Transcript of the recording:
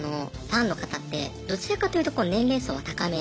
ファンの方ってどちらかというと年齢層は高め。